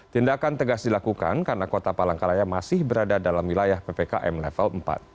tindakan tegas dilakukan karena kota palangkaraya masih berada dalam wilayah ppkm level empat